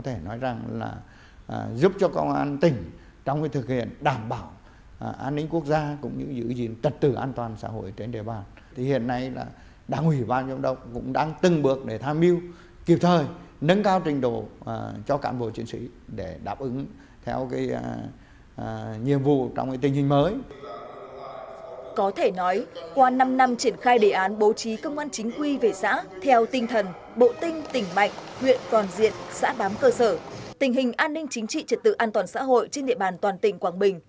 tình hình an ninh chính trị trật tự an toàn xã hội trên địa bàn toàn tỉnh quảng bình